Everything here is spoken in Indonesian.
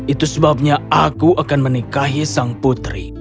itu sebabnya aku akan menikahi sang putri